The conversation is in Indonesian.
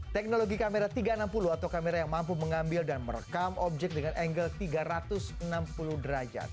teknologi kamera tiga ratus enam puluh atau kamera yang mampu mengambil dan merekam objek dengan angle tiga ratus enam puluh derajat